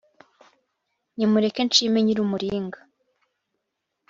nimureke nshime nyir'umuringa